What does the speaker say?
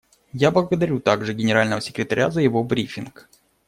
Я благодарю также Генерального секретаря за его брифинг.